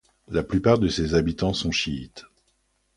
La plupart de ses habitants sont chiites.